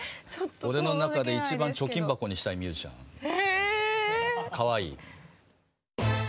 俺の中で一番貯金箱にしたいミュージシャンなんだ。え？かわいい。